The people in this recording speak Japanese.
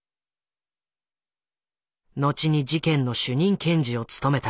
のちに事件の主任検事を務めた